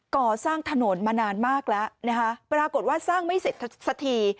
ก่อสร้างถนนมานานมากแล้วนะคะปรากฏว่าสร้างไม่เสร็จสักที